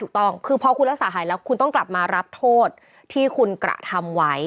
ถูกต้องคือพอคุณรักษาหายแล้วคุณต้องกลับมารับโทษที่คุณกระทำไว้